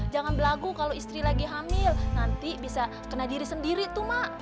jangan berlagu kalau istri lagi hamil nanti bisa kena diri sendiri tuh mak